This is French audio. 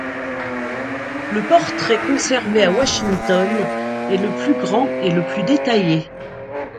Le portrait conservé à Washington est le plus grand et le plus détaillé.